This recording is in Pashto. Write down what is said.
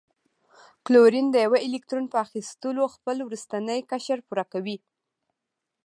کلورین د یوه الکترون په اخیستلو خپل وروستنی قشر پوره کوي.